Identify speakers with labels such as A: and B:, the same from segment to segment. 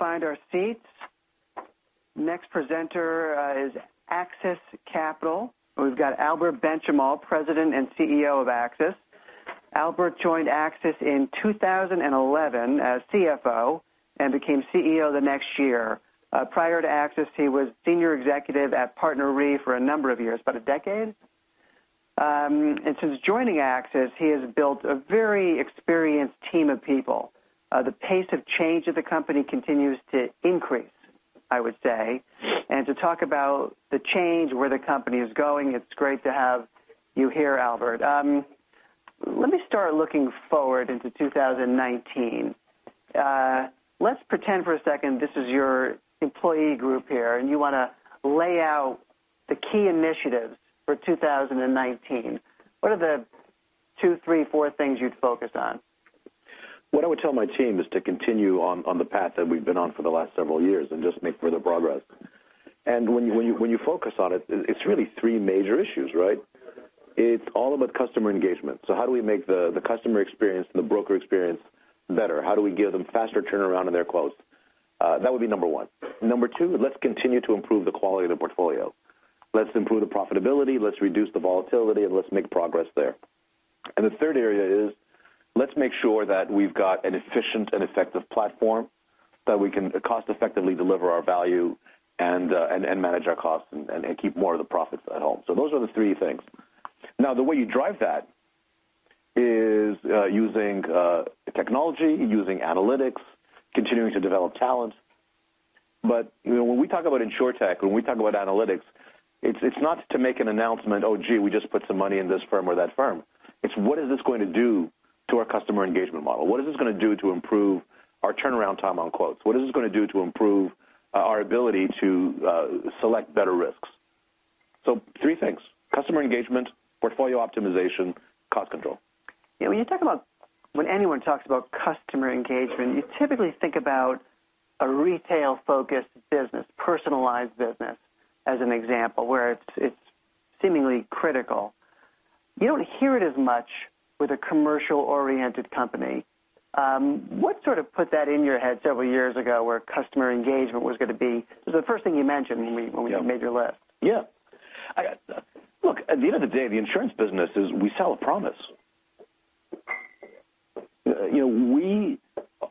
A: We find our seats. Next presenter is AXIS Capital. We've got Albert Benchimol, President and CEO of AXIS. Albert joined AXIS in 2011 as CFO and became CEO the next year. Prior to AXIS, he was senior executive at PartnerRe for a number of years, about a decade. Since joining AXIS, he has built a very experienced team of people. The pace of change of the company continues to increase, I would say. To talk about the change, where the company is going, it's great to have you here, Albert. Let me start looking forward into 2019. Let's pretend for a second this is your employee group here, and you want to lay out the key initiatives for 2019. What are the two, three, four things you'd focus on?
B: What I would tell my team is to continue on the path that we've been on for the last several years and just make further progress. When you focus on it's really three major issues, right? It's all about customer engagement. How do we make the customer experience and the broker experience better? How do we give them faster turnaround on their quotes? That would be number one. Number two, let's continue to improve the quality of the portfolio. Let's improve the profitability, let's reduce the volatility, and let's make progress there. The third area is, let's make sure that we've got an efficient and effective platform that we can cost-effectively deliver our value and manage our costs and keep more of the profits at home. Those are the three things. The way you drive that is using technology, using analytics, continuing to develop talent. When we talk about Insurtech, when we talk about analytics, it's not to make an announcement, "Oh, gee, we just put some money in this firm or that firm." It's what is this going to do to our customer engagement model? What is this going to do to improve our turnaround time on quotes? What is this going to do to improve our ability to select better risks? Three things, customer engagement, portfolio optimization, cost control.
A: When anyone talks about customer engagement, you typically think about a retail-focused business, personalized business, as an example, where it's seemingly critical. You don't hear it as much with a commercial-oriented company. What sort of put that in your head several years ago, where customer engagement was going to be It was the first thing you mentioned when we-
B: Yeah
A: made your list.
B: At the end of the day, the insurance business is we sell a promise.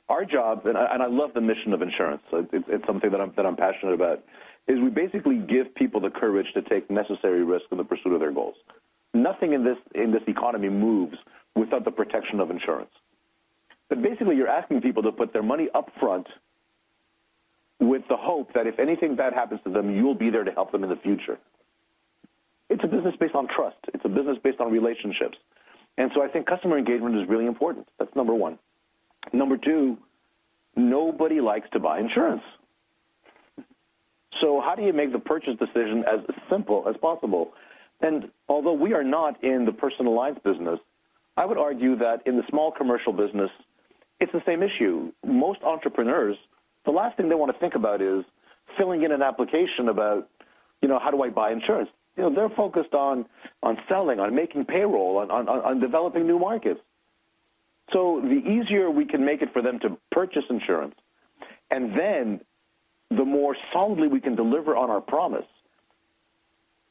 B: Our jobs, and I love the mission of insurance, it's something that I'm passionate about, is we basically give people the courage to take necessary risks in the pursuit of their goals. Nothing in this economy moves without the protection of insurance. Basically, you're asking people to put their money up front with the hope that if anything bad happens to them, you'll be there to help them in the future. It's a business based on trust. It's a business based on relationships. I think customer engagement is really important. That's number one. Number two, nobody likes to buy insurance. How do you make the purchase decision as simple as possible? Although we are not in the personal lines business, I would argue that in the small commercial business, it's the same issue. Most entrepreneurs, the last thing they want to think about is filling in an application about how do I buy insurance. They're focused on selling, on making payroll, on developing new markets. The easier we can make it for them to purchase insurance, and then the more solidly we can deliver on our promise,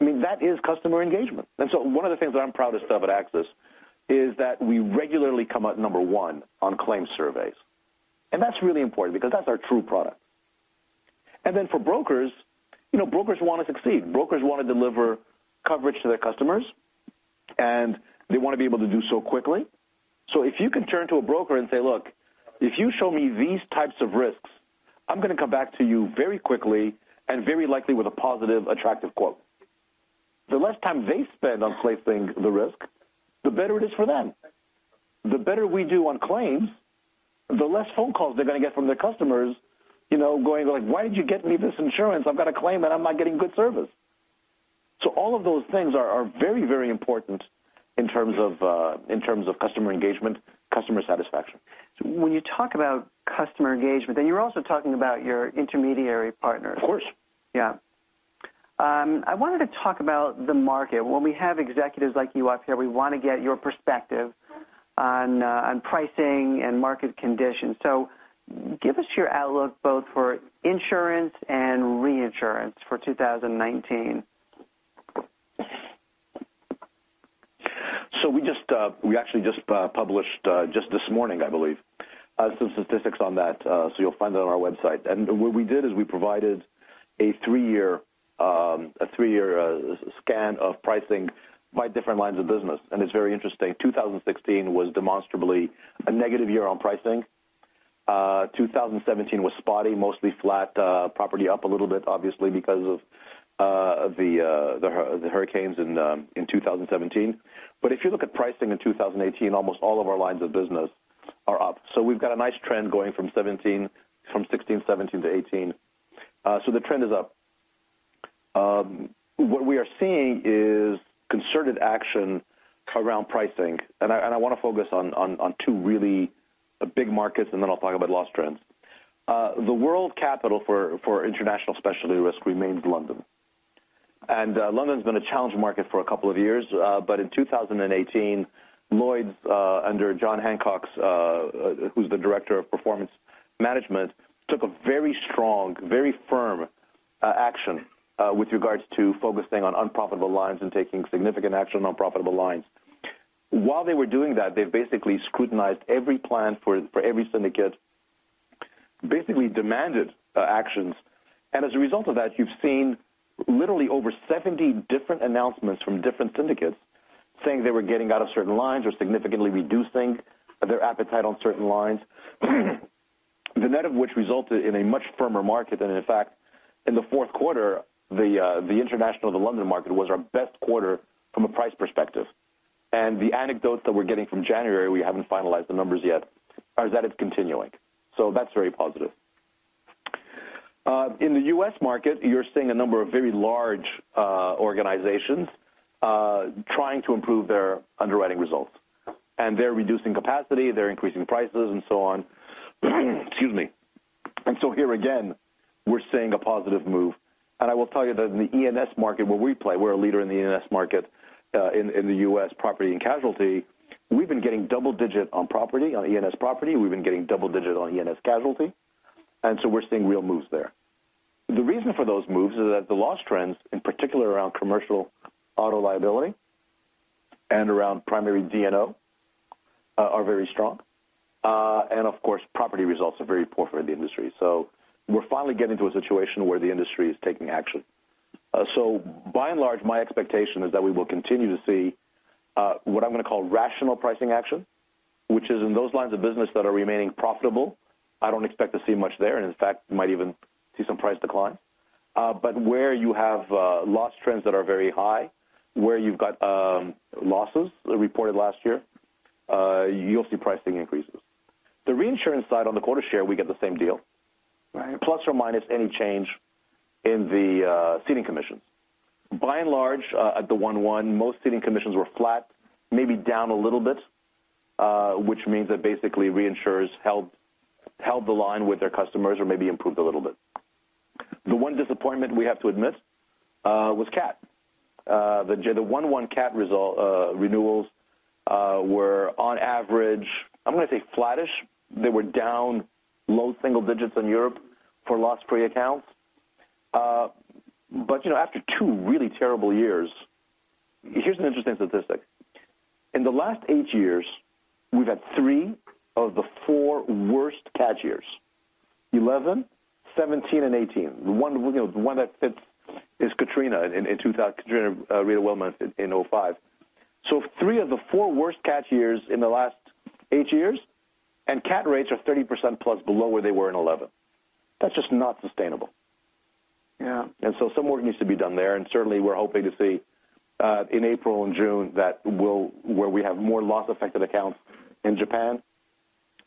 B: that is customer engagement. One of the things that I'm proudest of at AXIS is that we regularly come out number one on claims surveys. That's really important because that's our true product. For brokers want to succeed. Brokers want to deliver coverage to their customers, and they want to be able to do so quickly. If you can turn to a broker and say, "Look, if you show me these types of risks, I'm going to come back to you very quickly and very likely with a positive, attractive quote." The less time they spend on placing the risk, the better it is for them. The better we do on claims, the less phone calls they're going to get from their customers going like, "Why did you get me this insurance? I've got a claim and I'm not getting good service." All of those things are very important in terms of customer engagement, customer satisfaction.
A: When you talk about customer engagement, then you're also talking about your intermediary partners.
B: Of course.
A: I wanted to talk about the market. When we have executives like you up here, we want to get your perspective on pricing and market conditions. Give us your outlook both for insurance and reinsurance for 2019.
B: We actually just published, just this morning, I believe, some statistics on that, so you'll find that on our website. What we did is we provided a three-year scan of pricing by different lines of business, and it's very interesting. 2016 was demonstrably a negative year on pricing. 2017 was spotty, mostly flat, property up a little bit, obviously because of the hurricanes in 2017. If you look at pricing in 2018, almost all of our lines of business are up. We've got a nice trend going from 2016, 2017 to 2018. The trend is up. What we are seeing is concerted action around pricing. I want to focus on two really big markets, and then I'll talk about loss trends. The world capital for international specialty risk remains London. London's been a challenge market for a couple of years. In 2018, Lloyd's under Jon Hancock, who's the Director of Performance Management, took a very strong, very firm action with regards to focusing on unprofitable lines and taking significant action on profitable lines. While they were doing that, they basically scrutinized every plan for every syndicate, basically demanded actions. As a result of that, you've seen literally over 70 different announcements from different syndicates saying they were getting out of certain lines or significantly reducing their appetite on certain lines. The net of which resulted in a much firmer market than in fact, in the fourth quarter, the international, the London market was our best quarter from a price perspective. The anecdotes that we're getting from January, we haven't finalized the numbers yet, are that it's continuing. That's very positive. In the U.S. market, you're seeing a number of very large organizations trying to improve their underwriting results, they're reducing capacity, they're increasing prices and so on. Excuse me. Here again, we're seeing a positive move. I will tell you that in the E&S market where we play, we're a leader in the E&S market in the U.S. property and casualty, we've been getting double-digit on E&S property. We've been getting double-digit on E&S casualty, so we're seeing real moves there. The reason for those moves is that the loss trends, in particular around commercial auto liability and around primary D&O are very strong. Of course, property results are very poor for the industry. We're finally getting to a situation where the industry is taking action. By and large, my expectation is that we will continue to see what I'm going to call rational pricing action, which is in those lines of business that are remaining profitable. I don't expect to see much there, and in fact, might even see some price decline. Where you have loss trends that are very high, where you've got losses reported last year you'll see pricing increases. The reinsurance side on the quota share, we get the same deal.
A: Right.
B: Plus or minus any change in the ceding commissions. By and large, at the 1/1, most ceding commissions were flat, maybe down a little bit, which means that basically reinsurers held the line with their customers or maybe improved a little bit. The one disappointment we have to admit was CAT. The 1/1 CAT renewals were on average, I'm going to say flattish. They were down low single-digits in Europe for loss-free accounts. After two really terrible years, here's an interesting statistic. In the last eight years, we've had three of the four worst CAT years, 2011, 2017, and 2018. The one that fits is Hurricane Katrina in 2000, Hurricane Rita, Hurricane Wilma in 2005. Three of the four worst CAT years in the last eight years, and CAT rates are 30%+ below where they were in 2011. That's just not sustainable.
A: Yeah.
B: Some work needs to be done there, certainly we're hoping to see in April and June where we have more loss-affected accounts in Japan.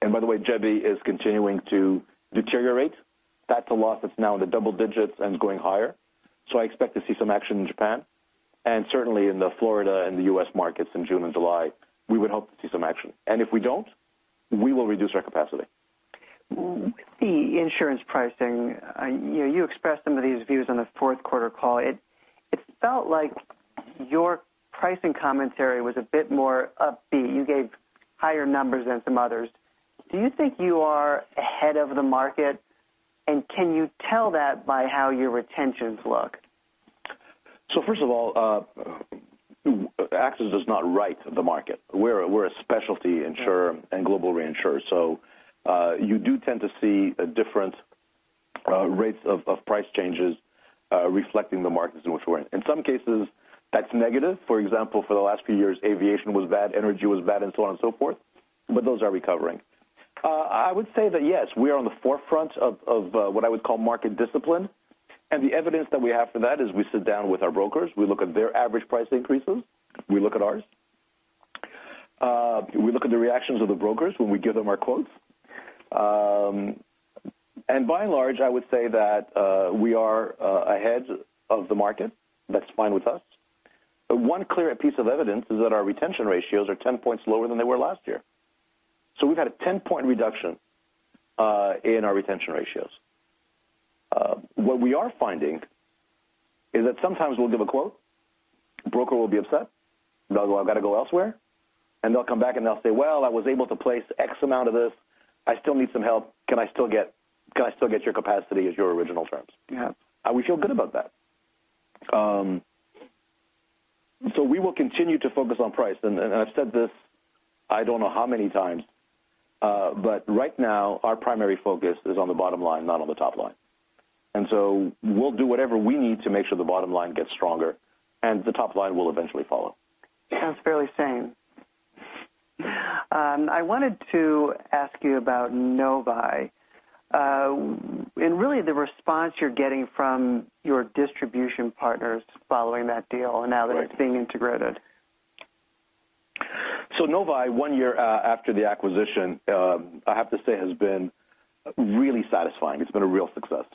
B: By the way, Jebi is continuing to deteriorate. That's a loss that's now in the double digits and going higher. I expect to see some action in Japan and certainly in the Florida and the U.S. markets in June and July, we would hope to see some action. If we don't, we will reduce our capacity.
A: With the insurance pricing, you expressed some of these views on the fourth quarter call. It felt like your pricing commentary was a bit more upbeat. You gave higher numbers than some others. Do you think you are ahead of the market, and can you tell that by how your retentions look?
B: First of all, AXIS does not write the market. We're a specialty insurer and global reinsurer. You do tend to see different rates of price changes reflecting the markets in which we're in. In some cases, that's negative. For example, for the last few years, aviation was bad, energy was bad, and so on and so forth, but those are recovering. I would say that yes, we are on the forefront of what I would call market discipline. The evidence that we have for that is we sit down with our brokers, we look at their average price increases, we look at ours, we look at the reactions of the brokers when we give them our quotes. By and large, I would say that we are ahead of the market. That's fine with us. One clear piece of evidence is that our retention ratios are 10 points lower than they were last year. We've had a 10-point reduction in our retention ratios. What we are finding is that sometimes we'll give a quote, broker will be upset. They'll go, "I've got to go elsewhere." They'll come back, they'll say, "Well, I was able to place X amount of this. I still need some help. Can I still get your capacity as your original terms?
A: Yeah.
B: We feel good about that. We will continue to focus on price, and I've said this I don't know how many times. Right now our primary focus is on the bottom line, not on the top line. We'll do whatever we need to make sure the bottom line gets stronger, and the top line will eventually follow.
A: Sounds fairly sane. I wanted to ask you about Novae and really the response you're getting from your distribution partners following that deal now that it's being integrated.
B: Novae, one year after the acquisition, I have to say, has been really satisfying. It's been a real success.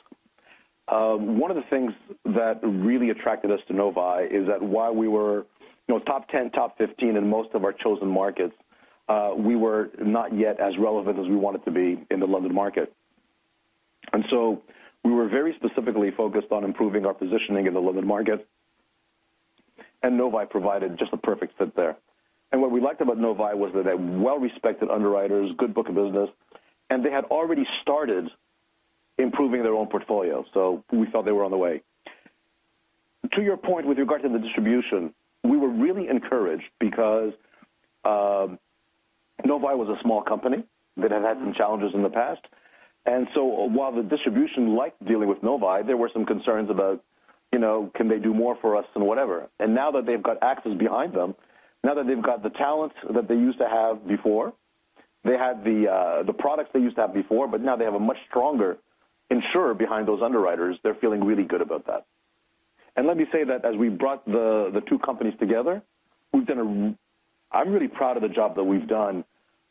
B: One of the things that really attracted us to Novae is that while we were top 10, top 15 in most of our chosen markets we were not yet as relevant as we wanted to be in the London market. We were very specifically focused on improving our positioning in the London market, and Novae provided just a perfect fit there. What we liked about Novae was that they had well-respected underwriters, good book of business, and they had already started improving their own portfolio. We felt they were on the way. To your point with regard to the distribution, we were really encouraged because Novae was a small company that had had some challenges in the past. While the distribution liked dealing with Novae, there were some concerns about can they do more for us and whatever. Now that they've got AXIS behind them, now that they've got the talent that they used to have before, they have the products they used to have before, but now they have a much stronger insurer behind those underwriters. They're feeling really good about that. Let me say that as we brought the two companies together, I'm really proud of the job that we've done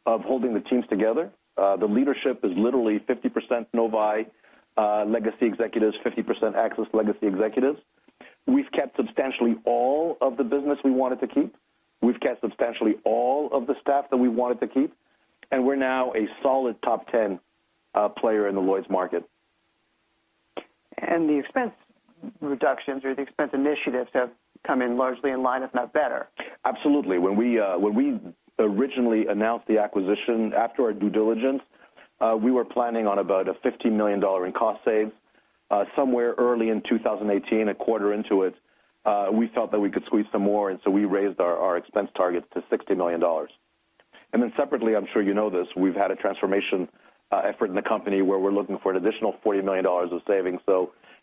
B: of holding the teams together. The leadership is literally 50% Novae legacy executives, 50% AXIS legacy executives. We've kept substantially all of the business we wanted to keep. We've kept substantially all of the staff that we wanted to keep, and we're now a solid top 10 player in the Lloyd's market.
A: The expense reductions or the expense initiatives have come in largely in line, if not better.
B: Absolutely. When we originally announced the acquisition, after our due diligence, we were planning on about a $50 million in cost saves. Somewhere early in 2018, a quarter into it, we felt that we could squeeze some more, and so we raised our expense targets to $60 million. Separately, I'm sure you know this, we've had a transformation effort in the company where we're looking for an additional $40 million of savings.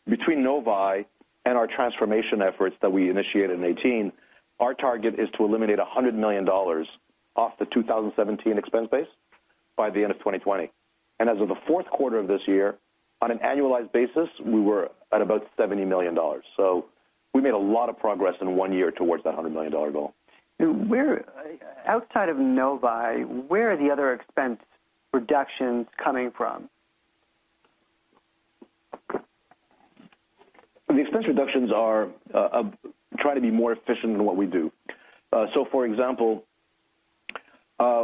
B: Between Novae and our transformation efforts that we initiated in 2018, our target is to eliminate $100 million off the 2017 expense base by the end of 2020. As of the fourth quarter of this year, on an annualized basis, we were at about $70 million. We made a lot of progress in one year towards that $100 million goal.
A: Outside of Novae, where are the other expense reductions coming from?
B: The expense reductions are trying to be more efficient in what we do. For example,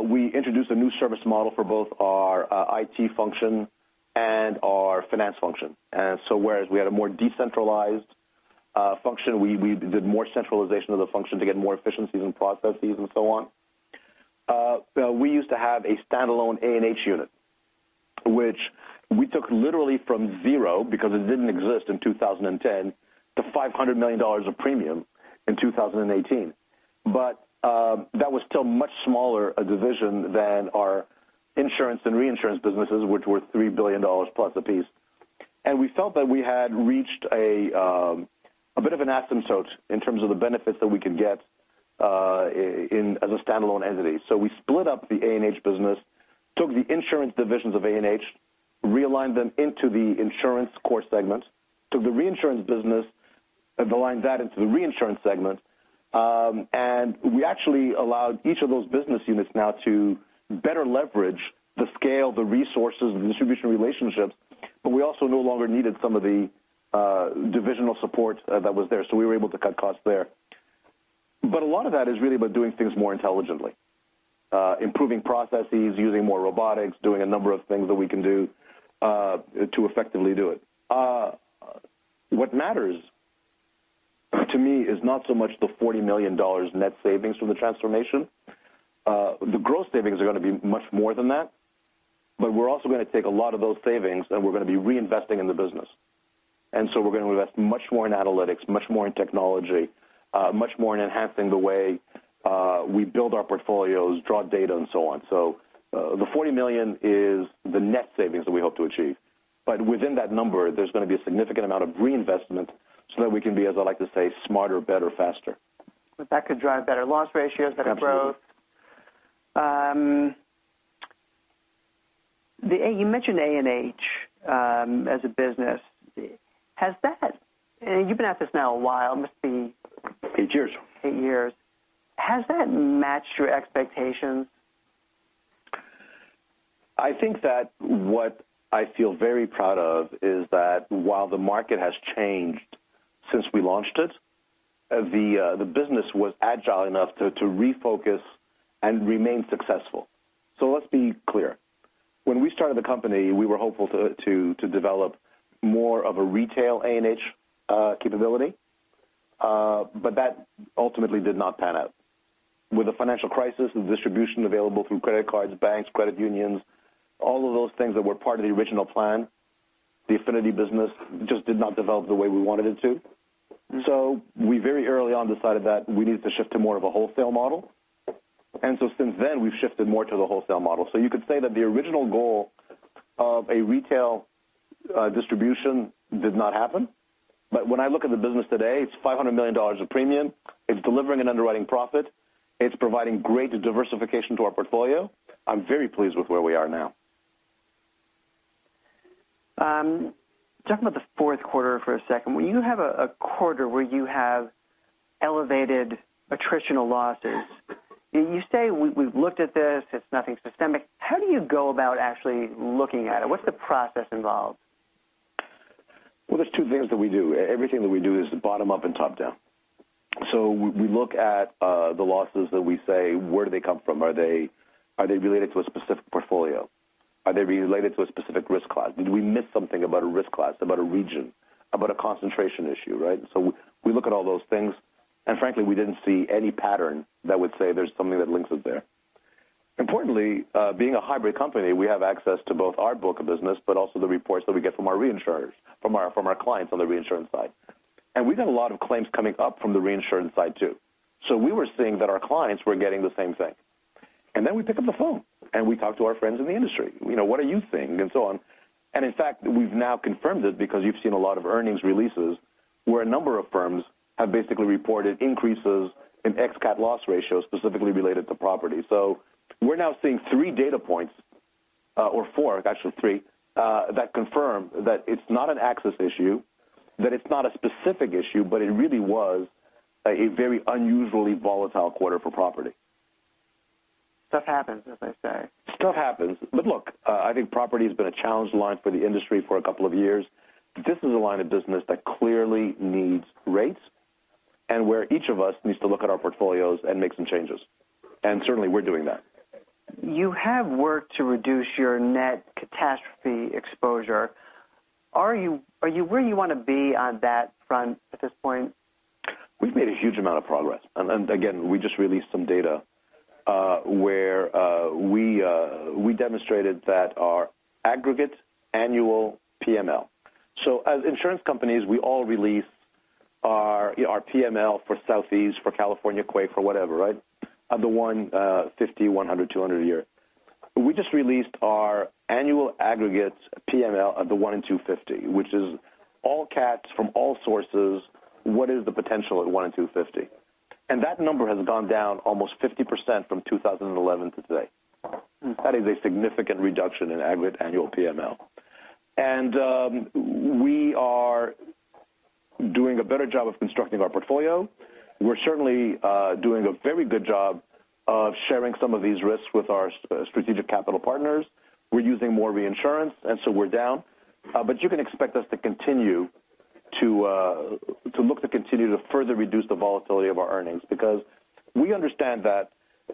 B: we introduced a new service model for both our IT function and our finance function. Whereas we had a more decentralized function, we did more centralization of the function to get more efficiencies in processes and so on. We used to have a standalone A&H unit, which we took literally from zero, because it didn't exist in 2010, to $500 million of premium in 2018. That was still much smaller a division than our insurance and reinsurance businesses, which were $3 billion-plus apiece. We felt that we had reached a bit of an asymptote in terms of the benefits that we could get as a standalone entity. We split up the A&H business, took the insurance divisions of A&H, realigned them into the insurance core segment, took the reinsurance business, and aligned that into the reinsurance segment. We actually allowed each of those business units now to better leverage the scale, the resources, the distribution relationships, but we also no longer needed some of the divisional support that was there, so we were able to cut costs there. A lot of that is really about doing things more intelligently. Improving processes, using more robotics, doing a number of things that we can do to effectively do it. What matters to me is not so much the $40 million net savings from the transformation. The gross savings are going to be much more than that, but we're also going to take a lot of those savings, and we're going to be reinvesting in the business. We're going to invest much more in analytics, much more in technology, much more in enhancing the way we build our portfolios, draw data and so on. The $40 million is the net savings that we hope to achieve. Within that number, there's going to be a significant amount of reinvestment so that we can be, as I like to say, smarter, better, faster.
A: That could drive better loss ratios, better growth.
B: Absolutely.
A: You mentioned A&H as a business. You've been at this now a while.
B: Eight years
A: Eight years. Has that matched your expectations?
B: I think that what I feel very proud of is that while the market has changed since we launched it, the business was agile enough to refocus and remain successful. Let's be clear. When we started the company, we were hopeful to develop more of a retail A&H capability. That ultimately did not pan out. With the financial crisis and distribution available through credit cards, banks, credit unions, all of those things that were part of the original plan, the affinity business just did not develop the way we wanted it to. We very early on decided that we needed to shift to more of a wholesale model. Since then, we've shifted more to the wholesale model. You could say that the original goal of a retail distribution did not happen. When I look at the business today, it's $500 million of premium. It's delivering an underwriting profit. It's providing great diversification to our portfolio. I'm very pleased with where we are now.
A: Talking about the fourth quarter for a second, when you have a quarter where you have elevated attritional losses, you say, "We've looked at this. It's nothing systemic." How do you go about actually looking at it? What's the process involved?
B: Well, there's two things that we do. Everything that we do is bottom up and top down. We look at the losses that we say, where do they come from? Are they related to a specific portfolio? Are they related to a specific risk class? Did we miss something about a risk class, about a region, about a concentration issue, right? We look at all those things, and frankly, we didn't see any pattern that would say there's something that links us there. Importantly, being a hybrid company, we have access to both our book of business, but also the reports that we get from our reinsurers, from our clients on the reinsurance side. We got a lot of claims coming up from the reinsurance side, too. We were seeing that our clients were getting the same thing. We pick up the phone and we talk to our friends in the industry, "What are you seeing?" and so on. In fact, we've now confirmed it because you've seen a lot of earnings releases where a number of firms have basically reported increases in ex-cat loss ratios, specifically related to property. We're now seeing three data points, or four, actually three, that confirm that it's not an AXIS issue, that it's not a specific issue, but it really was a very unusually volatile quarter for property.
A: Stuff happens, as they say.
B: Stuff happens. Look, I think property has been a challenged line for the industry for a couple of years. This is a line of business that clearly needs rates and where each of us needs to look at our portfolios and make some changes. Certainly we're doing that.
A: You have worked to reduce your net catastrophe exposure. Are you where you want to be on that front at this point?
B: We've made a huge amount of progress. Again, we just released some data where we demonstrated that our aggregate annual PML. As insurance companies, we all release our PML for Southeast, for California quake, for whatever, right? Of the 150, 100, 200 a year. We just released our annual aggregate PML of the 1 and 250, which is all CATs from all sources, what is the potential at 1 and 250? That number has gone down almost 50% from 2011 to today. That is a significant reduction in aggregate annual PML. We are doing a better job of constructing our portfolio. We're certainly doing a very good job of sharing some of these risks with our strategic capital partners. We're using more reinsurance, we're down. You can expect us to look to continue to further reduce the volatility of our earnings, because we understand that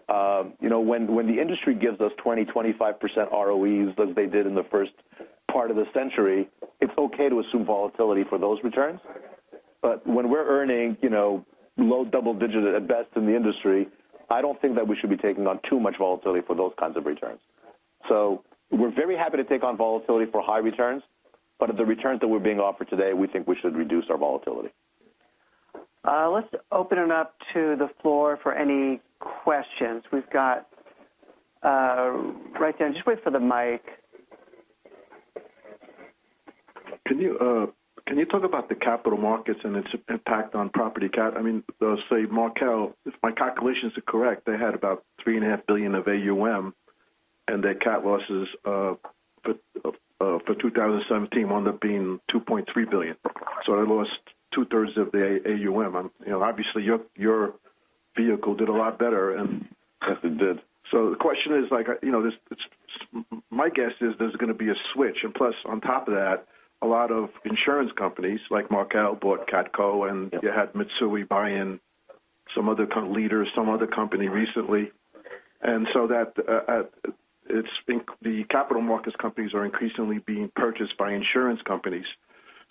B: when the industry gives us 20%, 25% ROEs as they did in the first part of the century, it's okay to assume volatility for those returns. When we're earning low double digits at best in the industry, I don't think that we should be taking on too much volatility for those kinds of returns. We're very happy to take on volatility for high returns. At the returns that we're being offered today, we think we should reduce our volatility.
A: Let's open it up to the floor for any questions. We've got right there. Just wait for the mic.
C: Can you talk about the capital markets and its impact on property CAT? Say Markel, if my calculations are correct, they had about $3.5 billion of AUM, and their CAT losses for 2017 wound up being $2.3 billion. They lost two-thirds of their AUM. Obviously, your vehicle did a lot better.
B: Yes, it did.
C: The question is, my guess is there's going to be a switch. On top of that, a lot of insurance companies like Markel bought CatCo, and you had Mitsui buy in some other kind of leaders, some other company recently. That the capital markets companies are increasingly being purchased by insurance companies.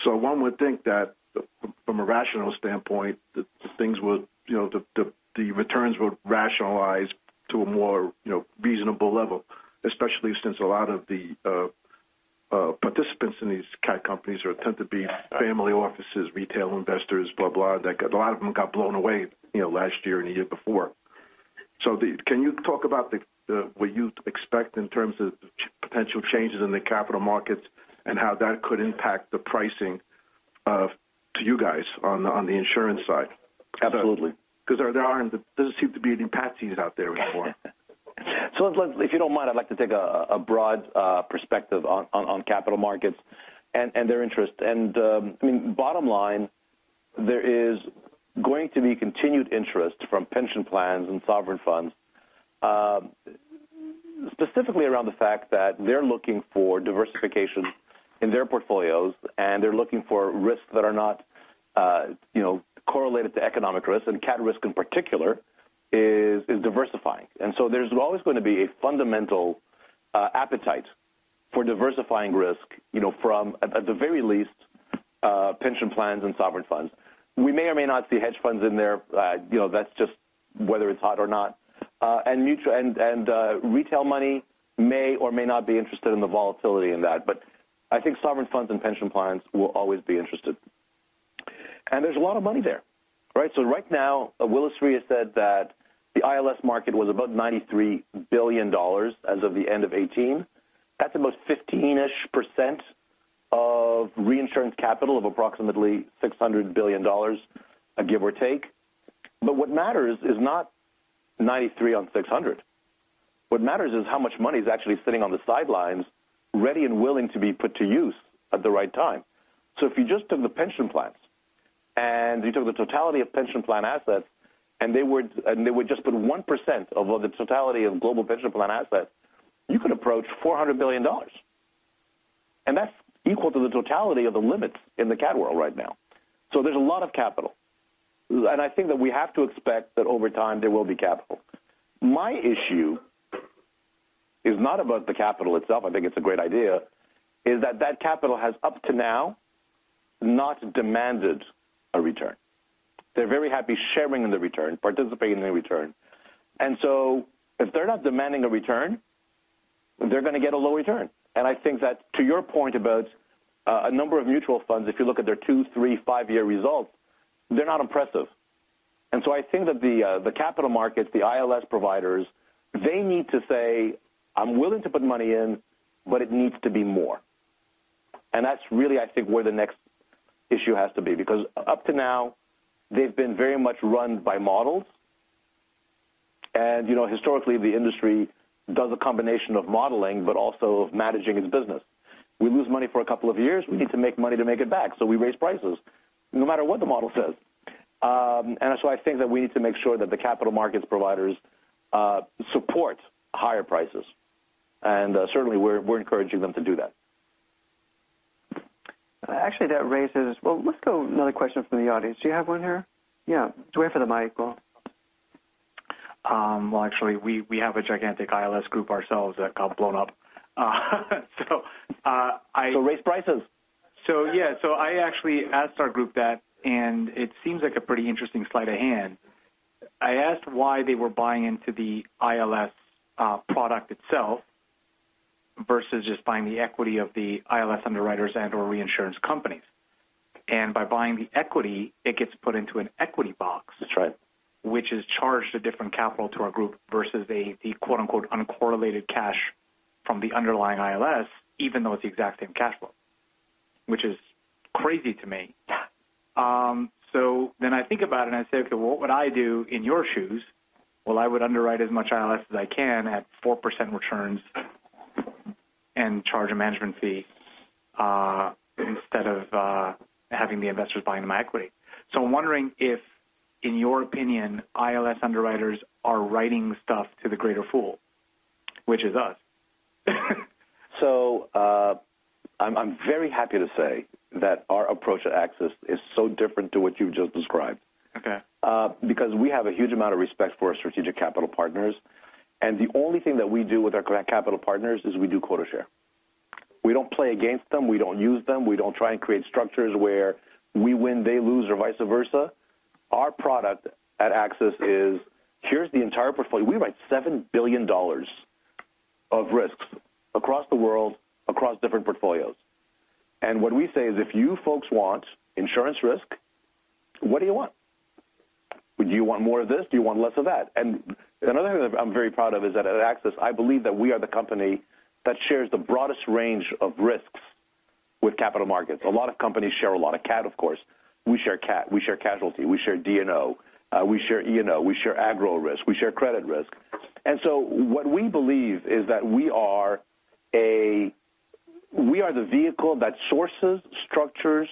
C: One would think that from a rational standpoint, the returns would rationalize to a more reasonable level, especially since a lot of the participants in these CAT companies tend to be family offices, retail investors, blah. A lot of them got blown away last year and the year before. Can you talk about what you expect in terms of potential changes in the capital markets and how that could impact the pricing to you guys on the insurance side?
B: Absolutely.
C: There doesn't seem to be any patsies out there anymore.
B: If you don't mind, I'd like to take a broad perspective on capital markets and their interest. Bottom line, there is going to be continued interest from pension plans and sovereign funds, specifically around the fact that they're looking for diversification in their portfolios and they're looking for risks that are not correlated to economic risk. Cat risk in particular is diversifying. There's always going to be a fundamental appetite for diversifying risk from, at the very least, pension plans and sovereign funds. We may or may not see hedge funds in there. That's just whether it's hot or not. Retail money may or may not be interested in the volatility in that. I think sovereign funds and pension plans will always be interested. There's a lot of money there, right? Right now, Willis Re has said that the ILS market was about $93 billion as of the end of 2018. That's almost 15-ish% of reinsurance capital of approximately $600 billion, give or take. What matters is not 93 on 600. What matters is how much money is actually sitting on the sidelines ready and willing to be put to use at the right time. If you just took the pension plans You took the totality of pension plan assets, and they would just put 1% of the totality of global pension plan assets, you could approach $400 billion. That's equal to the totality of the limits in the cat world right now. There's a lot of capital. I think that we have to expect that over time there will be capital. My issue is not about the capital itself, I think it's a great idea. Is that that capital has, up to now, not demanded a return. They're very happy sharing in the return, participating in the return. If they're not demanding a return, they're going to get a low return. I think that to your point about a number of mutual funds, if you look at their two, three, five-year results, they're not impressive. I think that the capital markets, the ILS providers, they need to say, "I'm willing to put money in, but it needs to be more." That's really, I think, where the next issue has to be, because up to now, they've been very much run by models. Historically, the industry does a combination of modeling, but also of managing its business. We lose money for a couple of years, we need to make money to make it back, we raise prices no matter what the model says. I think that we need to make sure that the capital markets providers support higher prices. Certainly, we're encouraging them to do that.
A: Actually, that raises. Well, let's go another question from the audience. Do you have one here? Yeah. Do we have the mic? Well.
C: Well, actually, we have a gigantic ILS group ourselves that got blown up.
B: Raise prices.
C: Yeah. I actually asked our group that, it seems like a pretty interesting sleight of hand. I asked why they were buying into the ILS product itself versus just buying the equity of the ILS underwriters and/or reinsurance companies. By buying the equity, it gets put into an equity box-
B: That's right
C: which is charged a different capital to our group versus the "uncorrelated cash" from the underlying ILS, even though it's the exact same cash flow. Which is crazy to me.
B: Yeah.
C: I think about it, and I say, "Okay, what would I do in your shoes?" Well, I would underwrite as much ILS as I can at 4% returns and charge a management fee instead of having the investors buying my equity. I'm wondering if, in your opinion, ILS underwriters are writing stuff to the greater fool, which is us.
B: I'm very happy to say that our approach at AXIS is so different to what you've just described.
C: Okay.
B: We have a huge amount of respect for our strategic capital partners, and the only thing that we do with our capital partners is we do quota share. We don't play against them, we don't use them, we don't try and create structures where we win, they lose, or vice versa. Our product at AXIS is, here's the entire portfolio. We write $7 billion of risks across the world, across different portfolios. What we say is, if you folks want insurance risk, what do you want? Do you want more of this? Do you want less of that? Another thing that I'm very proud of is that at AXIS, I believe that we are the company that shares the broadest range of risks with capital markets. A lot of companies share a lot of cat, of course. We share cat, we share casualty, we share D&O, we share E&O, we share agri-risk, we share credit risk. What we believe is that we are the vehicle that sources, structures,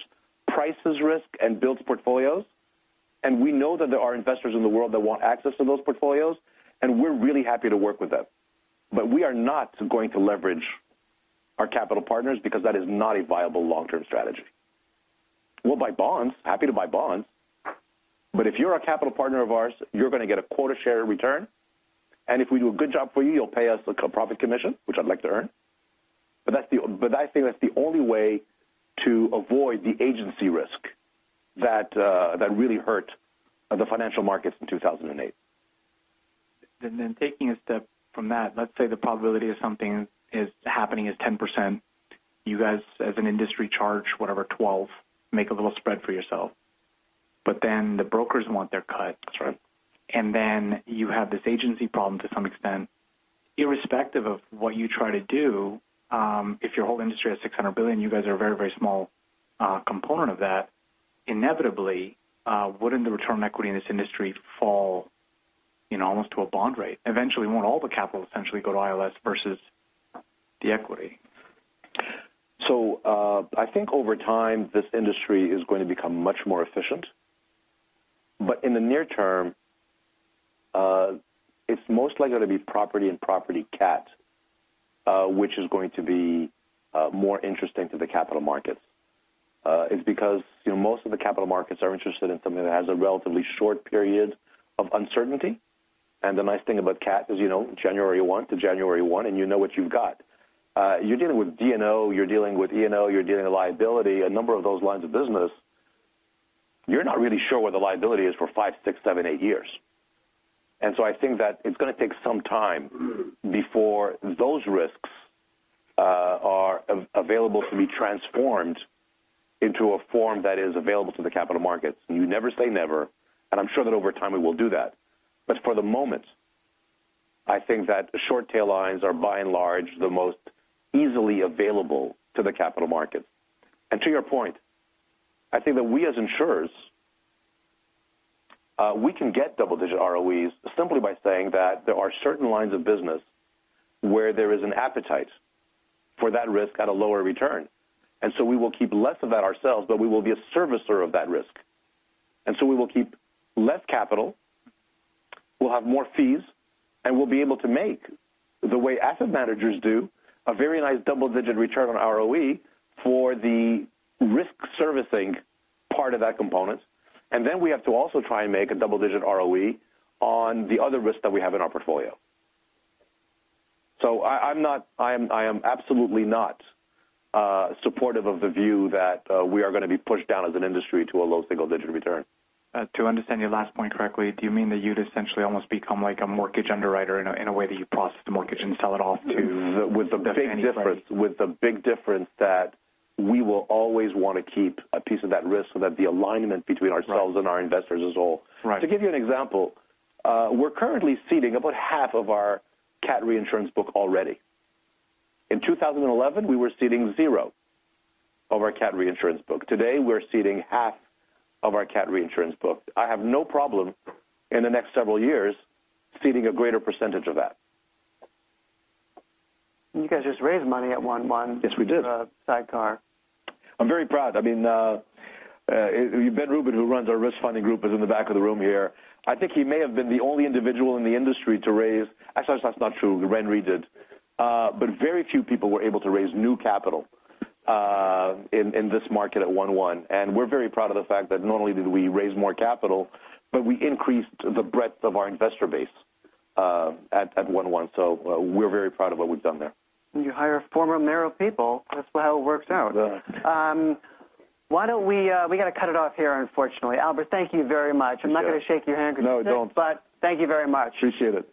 B: prices risk, and builds portfolios. We know that there are investors in the world that want access to those portfolios, and we're really happy to work with them. We are not going to leverage our capital partners because that is not a viable long-term strategy. We'll buy bonds, happy to buy bonds. If you're a capital partner of ours, you're going to get a quota share return. If we do a good job for you'll pay us a profit commission, which I'd like to earn. I think that's the only way to avoid the agency risk that really hurt the financial markets in 2008.
C: Taking a step from that, let's say the probability of something happening is 10%. You guys, as an industry, charge whatever, 12, make a little spread for yourself. The brokers want their cut.
B: That's right.
C: You have this agency problem to some extent. Irrespective of what you try to do, if your whole industry has $600 billion, you guys are a very, very small component of that. Inevitably, wouldn't the return on equity in this industry fall almost to a bond rate? Eventually, won't all the capital essentially go to ILS versus the equity?
B: I think over time, this industry is going to become much more efficient. In the near term, it's most likely to be property and property CAT, which is going to be more interesting to the capital markets. It's because most of the capital markets are interested in something that has a relatively short period of uncertainty. The nice thing about CAT is January 1 to January 1, and you know what you've got. You're dealing with D&O, you're dealing with E&O, you're dealing with liability, a number of those lines of business, you're not really sure what the liability is for five, six, seven, eight years. I think that it's going to take some time before those risks are available to be transformed into a form that is available to the capital markets. You never say never, I'm sure that over time we will do that. For the moment, I think that short tail lines are by and large, the most easily available to the capital markets. To your point, I think that we as insurers can get double-digit ROEs simply by saying that there are certain lines of business where there is an appetite for that risk at a lower return. We will keep less of that ourselves, but we will be a servicer of that risk. We will keep less capital, we'll have more fees, and we'll be able to make, the way asset managers do, a very nice double-digit return on ROE for the risk servicing part of that component. We have to also try and make a double-digit ROE on the other risk that we have in our portfolio. I am absolutely not supportive of the view that we are going to be pushed down as an industry to a low single-digit return.
C: To understand your last point correctly, do you mean that you'd essentially almost become like a mortgage underwriter in a way that you process the mortgage and sell it off?
B: With the big difference that we will always want to keep a piece of that risk so that the alignment between ourselves and our investors is whole.
C: Right.
B: To give you an example, we're currently ceding about half of our CAT reinsurance book already. In 2011, we were ceding zero of our CAT reinsurance book. Today, we're ceding half of our CAT reinsurance book. I have no problem in the next several years ceding a greater percentage of that.
C: You guys just raised money at 1/1.
B: Yes, we did.
C: Sidecar.
B: I'm very proud. Ben Rubin, who runs our risk funding group, is in the back of the room here. I think he may have been the only individual in the industry to raise Actually, that's not true. RenaissanceRe did. Very few people were able to raise new capital in this market at 1/1, and we're very proud of the fact that not only did we raise more capital, but we increased the breadth of our investor base at 1/1. We're very proud of what we've done there.
C: You hire a former Merrill people, that's how it works out.
B: Yeah.
A: We got to cut it off here, unfortunately. Albert, thank you very much.
B: Okay. I'm not going to shake your hand. No, don't
C: Thank you very much.
B: Appreciate it.